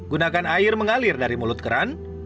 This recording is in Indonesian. gunakan air mengalir dari mulut keran